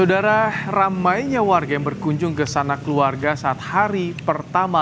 saudara ramainya warga yang berkunjung ke sana keluarga saat hari pertama